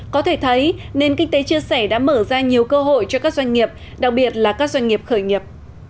có thể thấy nền kinh tế chia sẻ đã mở ra nhiều cơ hội cho các doanh nghiệp đặc biệt là các doanh nghiệp khởi nghiệp